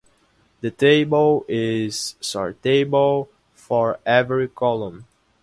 The table is sortable for every column.